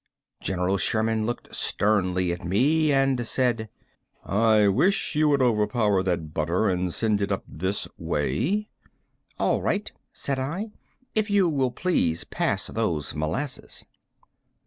General Sherman looked sternly at me and said: "I wish you would overpower that butter and send it up this way." "All right," said I, "if you will please pass those molasses."